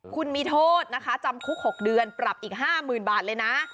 คุณมีโทษนะคะจำคุก๖เดือนปรับอีก๕๐๐๐บาทเลยนะ